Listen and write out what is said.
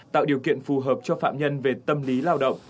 tạo điều kiện phù hợp cho phạm nhân về tâm lý lao động